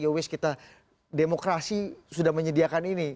ya waste kita demokrasi sudah menyediakan ini